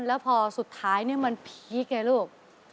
แล้วพอสุดท้ายเนี่ยมันพีคเนี่ยลูก